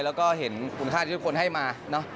แล้วก็เห็นคุณค่าที่ทุกคนให้มาเนอะ